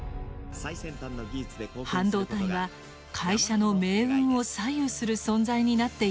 半導体は会社の命運を左右する存在になっていったのです。